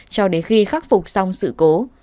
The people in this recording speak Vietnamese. cho đến khi khắc phục xong sự cố